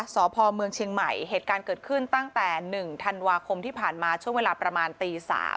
สพเมืองเชียงใหม่เหตุการณ์เกิดขึ้นตั้งแต่๑ธันวาคมที่ผ่านมาช่วงเวลาประมาณตี๓